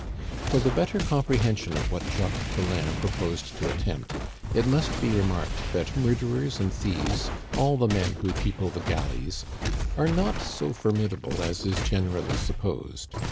For the better comprehension of what Jacques Collin proposed to attempt, it must be remarked that murderers and thieves, all the men who people the galleys, are not so formidable as is generally supposed.